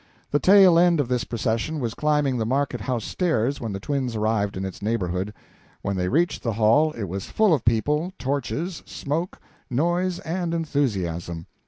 The tail end of this procession was climbing the market house stairs when the twins arrived in its neighborhood; when they reached the hall it was full of people, torches, smoke, noise and enthusiasm.